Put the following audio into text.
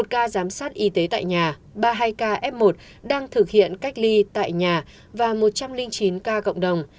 một ca giám sát y tế tại nhà ba mươi hai ca f một đang thực hiện cách ly tại nhà và một trăm linh chín ca cộng đồng